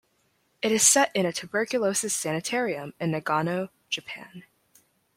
It is set in a tuberculosis sanitarium in Nagano, Japan.